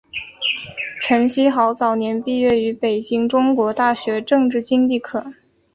陈希豪早年毕业于北京中国大学政治经济科。